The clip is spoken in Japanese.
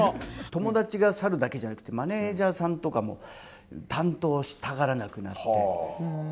友達が去るだけじゃなくてマネージャーさんとかも担当したがらなくなって。